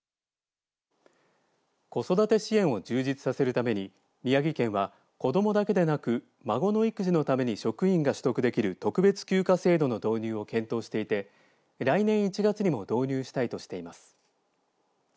子育て支援を充実させるために宮城県は、子どもだけでなく孫の育児のために職員が取得できる特別休暇制度の導入を検討していて来年１月にも導入したいとしています。